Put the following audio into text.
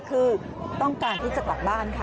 คือต้องการที่จะกลับบ้านค่ะ